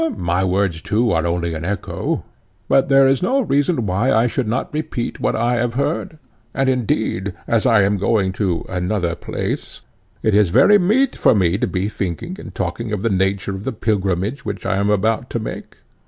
My words, too, are only an echo; but there is no reason why I should not repeat what I have heard: and indeed, as I am going to another place, it is very meet for me to be thinking and talking of the nature of the pilgrimage which I am about to make.